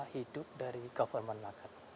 hidup dari government market